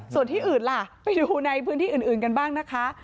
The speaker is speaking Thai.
ส่วนที่อื่นล่ะไปดูในพื้นที่อื่นกันบ้างนะคะ